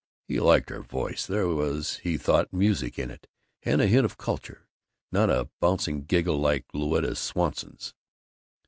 He liked her voice. There was, he thought, music in it and a hint of culture, not a bouncing giggle like Louetta Swanson's.